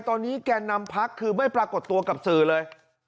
ตอนนี้แก่นำพักคือไม่ปรากฏตัวกับสื่อเลย